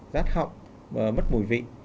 rát họng mất mùi vị